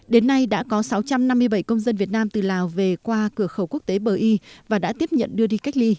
đến nay đã có sáu trăm năm mươi bảy công dân việt nam từ lào về qua cửa khẩu quốc tế bờ y và đã tiếp nhận đưa đi cách ly